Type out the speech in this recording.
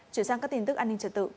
chuyển sang các tin tức an ninh trật tự